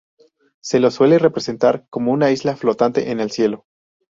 Se lo suele representar como una isla flotante en el cielo.